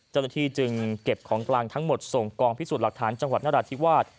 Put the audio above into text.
เจ้าหน้าที่จึงเก็บของกลางทั้งหมดส่งกองพิสูจน์หลักฐานจังหวัดนราธิวาส